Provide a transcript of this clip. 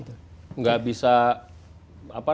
tidak bisa modelnya seperti apa